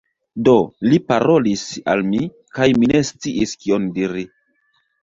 Do, li parolis al mi, kaj mi ne sciis kion diri.